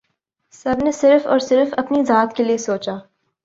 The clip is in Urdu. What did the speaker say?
سب نے صرف اور صرف اپنی ذات کے لیئے سوچا